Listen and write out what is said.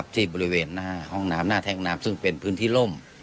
ที่บริเวณหน้าแท่งน้ำซึ่งเป็นพื้นที่ร่ม